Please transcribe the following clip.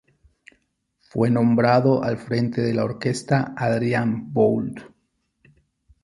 Fue nombrado al frente de la orquesta Adrian Boult.